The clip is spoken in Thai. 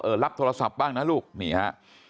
รับโทรศัพท์บ้างนะลูกนี่ฮะ